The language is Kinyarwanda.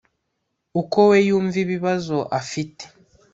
Uko we yumva ibibazo afite